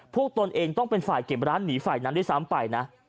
ตนเองต้องเป็นฝ่ายเก็บร้านหนีฝ่ายนั้นด้วยซ้ำไปนะ